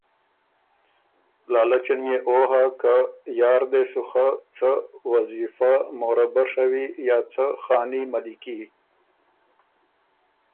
لالچ ان يې او هۀ که یا ر دې سُو خه څه وظیفۀ مربع ڒوی یا څه خاني مَلِکي۔